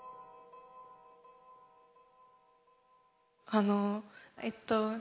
あのえっと